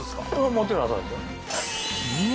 もちろんそうですようわ